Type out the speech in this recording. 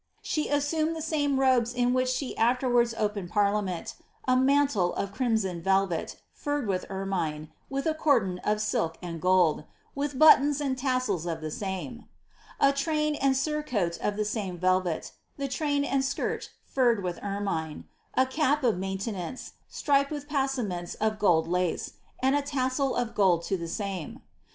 She assumed the same robes in which she af^r vards opened parliament — a mantle of crimson velvet, furred with eraiine, with a cordon of silk and gold, with buttons and tassels of the Bune ; a train and surcoat of the same velvet, the train and skirt furred with ermine ; a cap of maintenance, striped with passaments of gold lace, and a tassel of gold to the same.